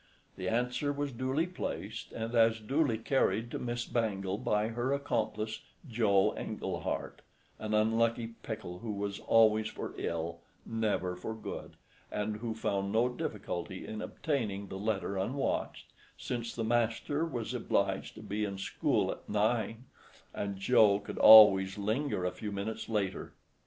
The answer was duly placed, and as duly carried to Miss Bangle by her accomplice, Joe Englehart, an unlucky pickle who "was always for ill, never for good," and who found no difficulty in obtaining the letter unwatched, since the master was obliged to be in school at nine, and Joe could always linger a few minutes later.